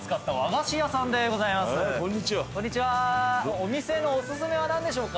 お店のおすすめは何でしょうか。